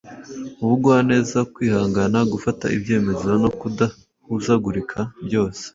Ubugwaneza, kwihangana, gufata ibyemezo no kudahuzagurika byose